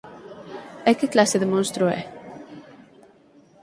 E que clase de monstro é?